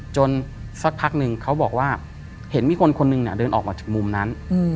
สักพักนึงเขาบอกว่าเห็นมีคนคนหนึ่งเดินออกมาจากมุมนั้น